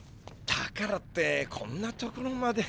だからってこんな所まで。